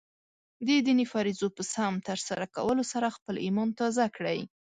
د دیني فریضو په سم ترسره کولو سره خپله ایمان تازه کړئ.